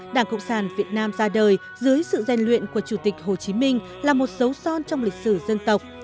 đảng cộng sản việt nam ra đời dưới sự gian luyện của chủ tịch hồ chí minh là một dấu son trong lịch sử dân tộc